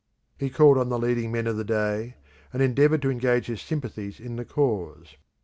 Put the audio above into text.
He called on the leading men of the day and endeavoured to engage their sympathies in the cause.